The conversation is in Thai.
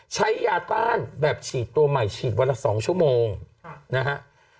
ใช้ยาต้านแบบฉีดตัวใหม่ฉีดวันละ๒ชั่วโมงนะฮะ